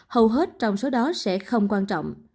hầu hết trong số đó sẽ không quan trọng